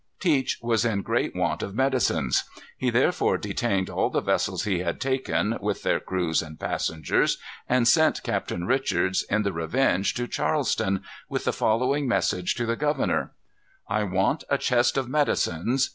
Teach was in great want of medicines. He therefore detained all the vessels he had taken, with their crews and passengers, and sent Captain Richards, in the Revenge, to Charleston, with the following message to the governor: "I want a chest of medicines.